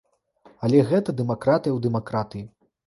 Але гэта дэмакратыя ў дэмакратыі.